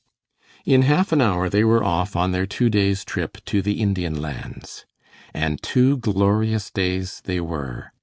In half an hour they were off on their two days' trip to the Indian Lands. And two glorious days they were.